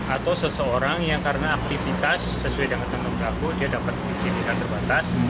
atau seseorang yang karena aktivitas sesuai dengan tentu beraku dia dapat izin yang terbatas